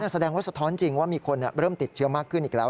แสดงว่าสะท้อนจริงว่ามีคนเริ่มติดเชื้อมากขึ้นอีกแล้ว